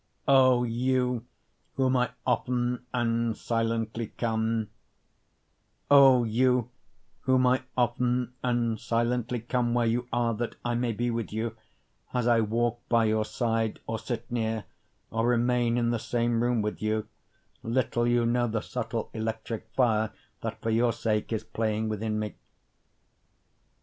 O You Whom I Often and Silently Come O you whom I often and silently come where you are that I may be with you, As I walk by your side or sit near, or remain in the same room with you, Little you know the subtle electric fire that for your sake is playing within me.